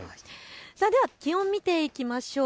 では気温、見ていきましょう。